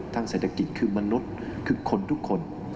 ทางเศรษฐกิจคือมนุษย์คือคนทุกคน